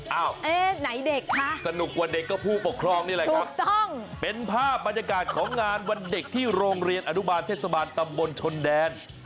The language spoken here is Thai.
เอ้าไหนเด็กคะสนุกกว่าเด็กก็ผู้ปกครองนี่แหละครับเป็นภาพบรรยากาศของงานวันเด็กที่โรงเรียนอนุบาลเทศบาลตำบลชนแดน